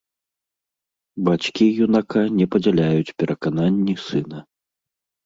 Бацькі юнака не падзяляюць перакананні сына.